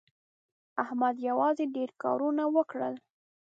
احمد یوازې ډېر کارونه وکړل.